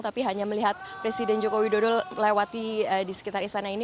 tapi hanya melihat presiden joko widodo lewati di sekitar istana ini